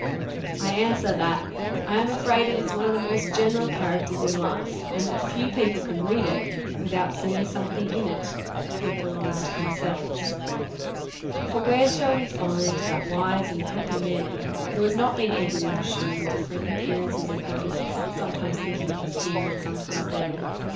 1 answer, that i am afraid it is one of the most ge neral characters in life ; and that few people can read it, without seeing sometiiing in it that belongs to themselves. For where shall we find that wise and happy man who has not been eagerly pursuing differ ent appearances of happiness, sometimes thinking it was here, and sometimes there?